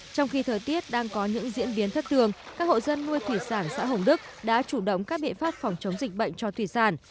trong khi thời tiết đang có những diễn biến thất tường các hộ dân nuôi thủy sản xã hồng đức đã chủ động các biện pháp phòng chống dịch bệnh cho thủy sản